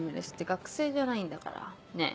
学生じゃないんだからねぇ。